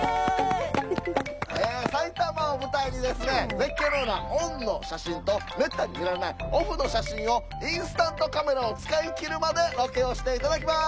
絶景のようなオンの写真とめったに見られないオフの写真をインスタントカメラを使い切るまでロケをして頂きます。